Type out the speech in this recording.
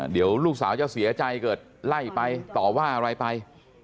เดี๋ยวลูกสาวจะเสียใจเกิดไล่ไปต่อว่าอะไรไป